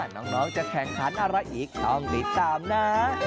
น้องจะแข่งขันอะไรอีกต้องติดตามนะ